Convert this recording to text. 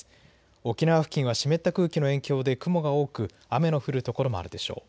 沖縄付近は湿った空気の影響で雲が多く雨の降る所もあるでしょう。